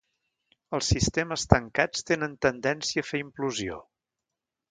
Els sistemes tancats tenen tendència a fer implosió.